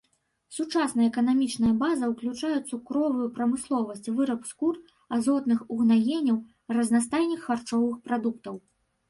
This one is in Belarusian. Сучасная эканамічная база ўключае цукровую прамысловасць, выраб скур, азотных угнаенняў, разнастайных харчовых прадуктаў.